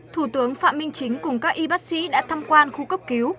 thủ tướng phạm minh chính cùng các y bác sĩ đã thăm quan khu cấp cứu